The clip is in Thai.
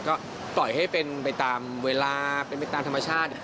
ก็ปล่อยให้เป็นไปตามเวลาเป็นไปตามธรรมชาติ